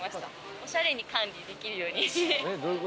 おしゃれに管理できるようになりましたし。